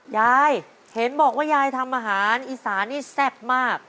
ยายเห็นบอกว่ายายทำอาหารอีสานนี่แซ่บมาก